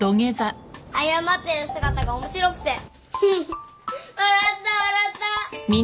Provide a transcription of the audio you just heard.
謝ってる姿が面白くてハハッ笑った笑った。